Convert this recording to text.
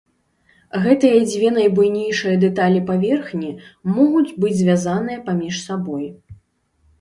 Гэтыя дзве найбуйнейшыя дэталі паверхні могуць быць звязаныя паміж сабой.